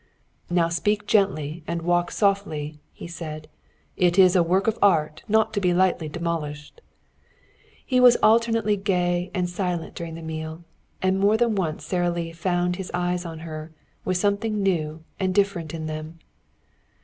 "Now speak gently and walk softly," he said. "It is a work of art and not to be lightly demolished." He was alternately gay and silent during the meal, and more than once Sara Lee found his eyes on her, with something new and different in them.